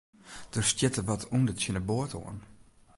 Der stjitte wat ûnder tsjin de boat oan.